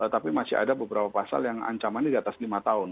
tapi masih ada beberapa pasal yang ancamannya di atas lima tahun